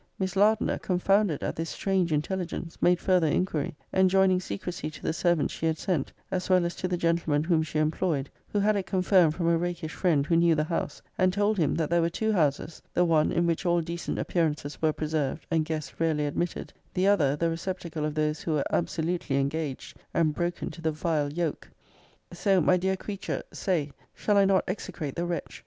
'Miss Lardner, confounded at this strange intel ligence, made further inquiry; enjoining secrecy to the servant she had sent, as well as to the gentle >>> man whom she employed; who had it confirmed from a rakish friend, who knew the house; and told him, that there were two houses: the one in which all decent appearances were preserved, and guests rarely admitted; the other, the receptacle of those who were absolutely engaged, and broken to the vile yoke.' >>> Say my dear creature say Shall I not exe crate the wretch?